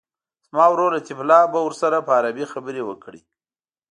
زما ورور لطیف الله به ورسره په عربي خبرې وکړي.